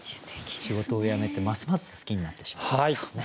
仕事を辞めてますます好きになってしまったっていうね。